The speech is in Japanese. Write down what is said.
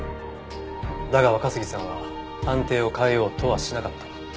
だが若杉さんは判定を変えようとはしなかった。